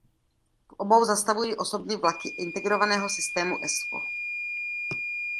V obou zastavují osobní vlaky integrovaného systému Esko.